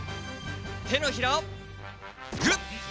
てのひらをグッ！